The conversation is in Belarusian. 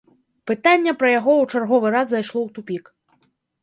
Пытанне пра яго ў чарговы раз зайшло ў тупік.